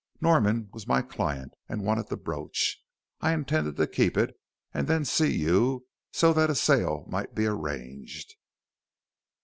Norman was my client and wanted the brooch. I intended to keep it and then see you, so that a sale might be arranged.